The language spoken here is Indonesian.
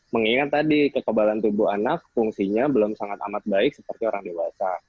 mengingat tadi kekebalan tubuh anak fungsinya belum sangat amat baik seperti orang dewasa